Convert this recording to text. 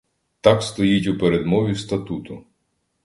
Так стоїть у передмові статуту.